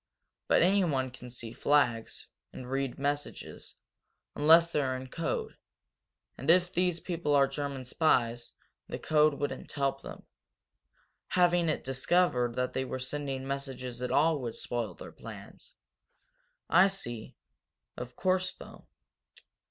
But anyone can see flags, and read messages, unless they're in code. And if these people are German spies, the code wouldn't help them. Having it discovered that they were sending messages at all would spoil their plans." "I see. Of course, though.